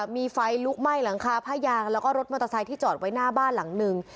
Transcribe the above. มีไฟลุกไหม้หลังคาผ้ายางแล้วก็รถมอเตอร์ไซค์ที่จอดไว้หน้าบ้านหลังหนึ่ง